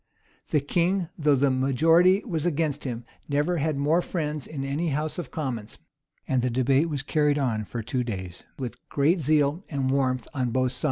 [] The king though the majority was against him, never had more friends in any house of commons; and the debate was carried on for two days, with great zeal and warmth on both sides.